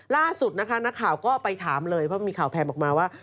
ล่าสุดนะคะนักข่าวก็ไปถามเลยเพราะมีข่าวแพมออกมาว่า